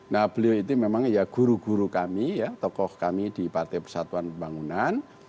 nah beliau itu memang ya guru guru kami ya tokoh kami di partai persatuan pembangunan